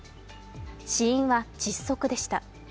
死因は窒息でした。